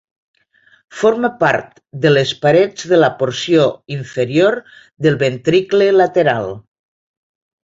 Forma part de les parets de la porció inferior del ventricle lateral.